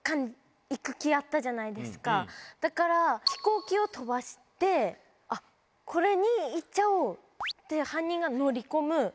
だから飛行機を飛ばしてこれに行っちゃおう！って犯人が乗り込む。